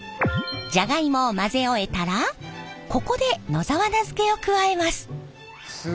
じゃがいもを混ぜ終えたらここで野沢菜漬けを加えます。